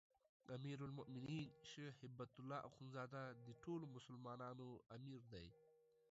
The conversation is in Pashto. امیرالمؤمنین شيخ هبة الله اخوندزاده د ټولو مسلمانانو امیر دی